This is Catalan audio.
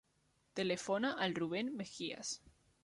Telefona al Rubèn Megias.